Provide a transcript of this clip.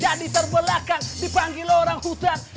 jadi terbelakang dipanggil orang hutan